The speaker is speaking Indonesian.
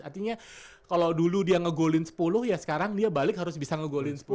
artinya kalau dulu dia ngegolin sepuluh ya sekarang dia balik harus bisa ngegolin sepuluh